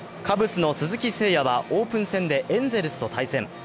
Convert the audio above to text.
カブスの鈴木誠也はオープン戦でエンゼルスと対戦。